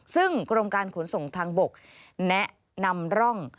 ซึ่งกรมการขนส่งทางบกแนะนำร่อง